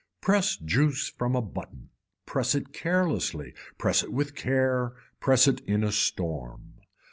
Press juice from a button, press it carelessly, press it with care, press it in a storm.